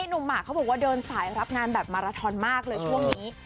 หมากเขาบอกว่าเดินสายรับงานแบบมาราทอนมากเลยช่วงนี้